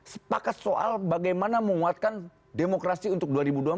sepakat soal bagaimana menguatkan demokrasi untuk dua ribu dua puluh empat